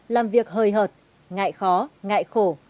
làm việc hời hợt ngại khó ngại khổ